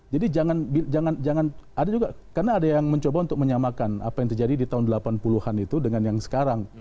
jadi jangan jangan jangan ada juga karena ada yang mencoba untuk menyamakan apa yang terjadi di tahun delapan puluh an itu dengan yang sekarang